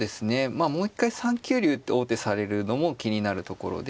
まあもう一回３九竜って王手されるのも気になるところで。